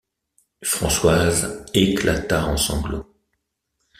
Françoise éclata en sanglots.